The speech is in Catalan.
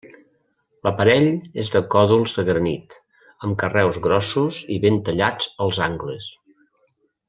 L'aparell és de còdols de granit, amb carreus grossos i ben tallats als angles.